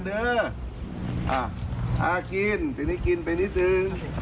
นี่เวลากินตอนนี้คนดวงไปนิดนึง